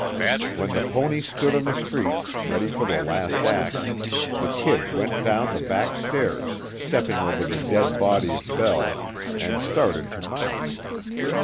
When the pony stood on the street, ready for the last act, the "Kid" went down the back stairs, stepping over the dead body of Bell, and started to mount.